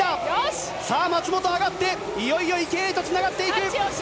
松本、上がっていよいよ池江へとつながっていく。